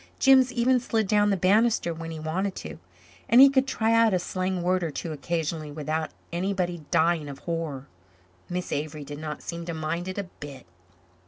Jims even slid down the bannisters when he wanted to. And he could try out a slang word or two occasionally without anybody dying of horror. Miss Avery did not seem to mind it a bit.